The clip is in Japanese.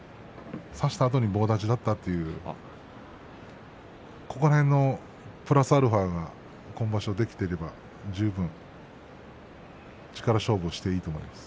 差したあとに棒立ちだったというここら辺のプラスアルファが今場所できていれば十分力勝負をしていいと思います。